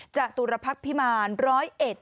จากตุลพักษณ์พิมาณร้อยเอ็ด